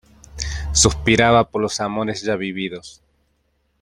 suspiraba por los amores ya vividos,